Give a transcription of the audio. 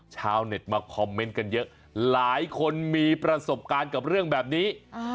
ชาวเน็ตมาคอมเมนต์กันเยอะหลายคนมีประสบการณ์กับเรื่องแบบนี้